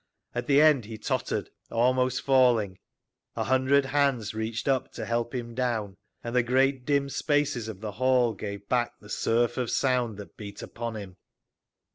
At the end he totered, almost falling; a hundred hands reached up to help him down, and the great dim spaces of the hall gave back the surf of sound that beat upon him.